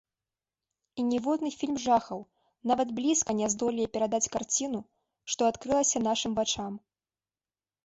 І ніводны фільм жахаў нават блізка не здолее перадаць карціну, што адкрылася нашым вачам.